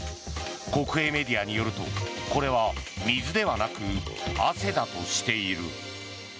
国営メディアによるとこれは水ではなく汗だとしている。